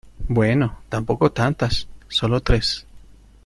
bueno, tampoco tantas , solo tres.